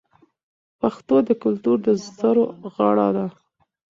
پښتو د کلتور د زرو غاړه ده.